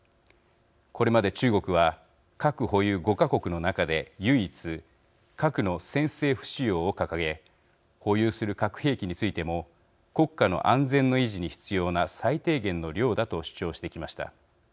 これまで中国は核保有５か国の中で、唯一核の先制不使用を掲げ保有する核兵器についても国家の安全の維持に必要な最低限の量だと主張してきました。